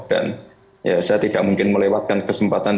dan ya saya tidak mungkin melewatkan kesempatan